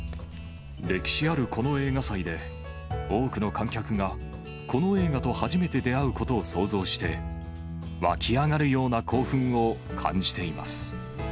歴史あるこの映画祭で、多くの観客がこの映画と初めて出会うことを想像して、湧き上がるような興奮を感じています。